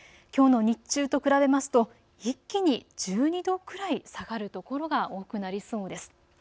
きょうの日中と比べますと一気に１２度くらい下がるところが多くなりそうです。